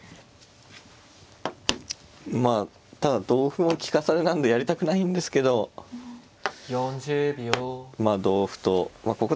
まあただ同歩も利かされなんでやりたくないんですけどまあ同歩とまあ